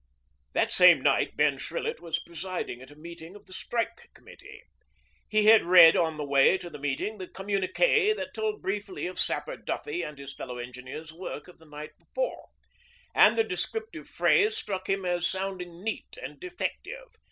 That same night Ben Shrillett was presiding at a meeting of the Strike Committee. He had read on the way to the meeting the communiqué that told briefly of Sapper Duffy and his fellow Engineers' work of the night before, and the descriptive phrase struck him as sounding neat and effective.